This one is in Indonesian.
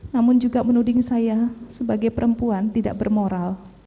namun juga menuding saya sebagai perempuan tidak bermoral